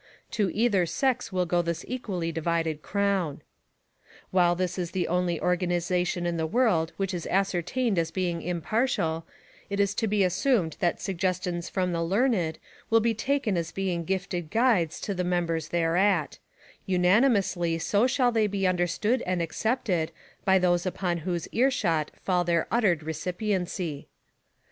To either sex will go this equally divided crown. While this is the only organization in the world which is ascertained as bemg impartial, it is to be assumed that suggestions from the learned will be takm as being gifted guides to the members thereat: Unanimously so shall they be understood and accepted by those upon whose earshot fall their uttered recipiency.